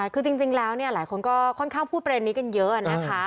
คือจริงแล้วหลายคนก็ค่อนข้างพูดประเด็นนี้กันเยอะนะคะ